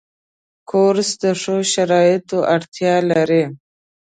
کورس د ښو شرایطو اړتیا لري.